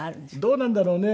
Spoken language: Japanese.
どうなんだろうね。